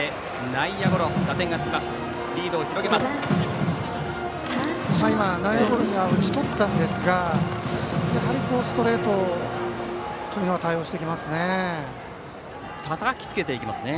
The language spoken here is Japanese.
内野ゴロには打ち取ったんですがやはりストレートに対応していきますね。